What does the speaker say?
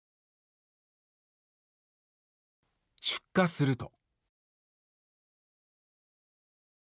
出火すると。